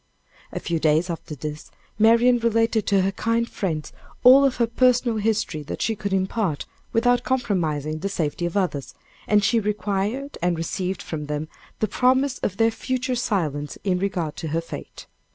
A few days after this, Marian related to her kind friends all of her personal history that she could impart, without compromising the safety of others: and she required and received from them the promise of their future silence in regard to her fate.